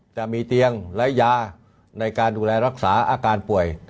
จะมีเตียงและยาในการดูแลรักษาอาการป่วย